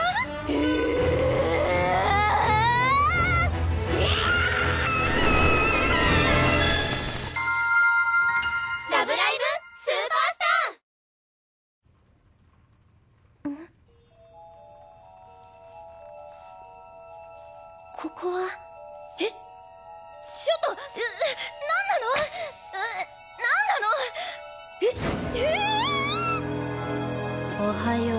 えええ⁉おはよう。